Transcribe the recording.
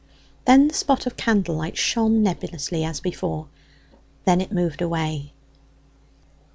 Then the spot of candlelight shone nebulously as before; then it moved away.